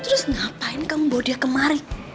terus ngapain kamu bawa dia kemari